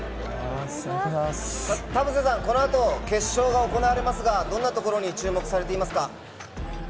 田臥さん、このあと決勝が行われますが、どんなところに注目されていますか？